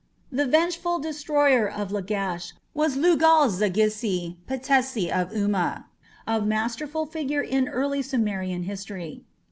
The vengeful destroyer of Lagash was Lugal zaggisi, Patesi of Umma, a masterful figure in early Sumerian history.